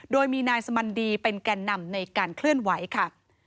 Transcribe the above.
โดยมีนายสมันดีเป็นแก่นำในการเคลื่อนไหวค่ะ